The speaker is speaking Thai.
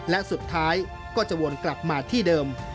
และสุดท้ายก็จะวนกลับมาที่เดิม